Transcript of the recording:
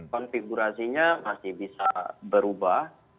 konfigurasinya masih bisa berubah